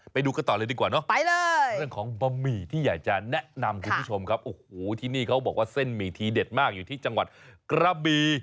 ไปดูกันต่อเลยดีกว่าเนอะไปเลยเรื่องของบะหมี่ที่อยากจะแนะนำคุณผู้ชมครับโอ้โหที่นี่เขาบอกว่าเส้นหมี่ทีเด็ดมากอยู่ที่จังหวัดกระบี